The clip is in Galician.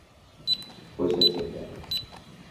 Pois éche o que hai.